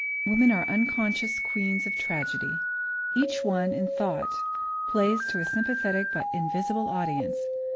Women are unconscious queens of tragedy. Each one, in thought, plays to a sympathetic but invisible audience.